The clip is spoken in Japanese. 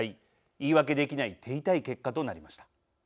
言い訳できない手痛い結果となりました。